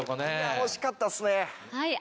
惜しかったですね。